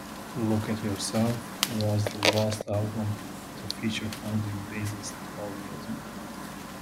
"Look at Yourself" was the last album to feature founding bassist Paul Newton.